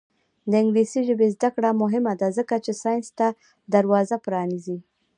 د انګلیسي ژبې زده کړه مهمه ده ځکه چې ساینس ته دروازه پرانیزي.